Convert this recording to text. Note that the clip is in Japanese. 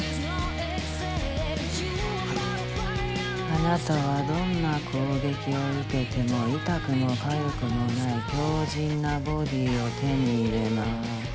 あなたはどんな攻撃を受けても痛くもかゆくもない強靭なボディーを手に入れます。